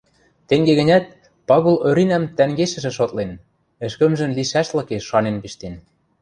Тенге гӹнят Пагул Оринӓм тӓнгешӹжӹ шотлен, ӹшкӹмжӹн лишӓшлыкеш шанен пиштен.